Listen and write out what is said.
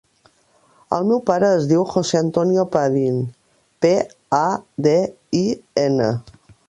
El meu pare es diu José antonio Padin: pe, a, de, i, ena.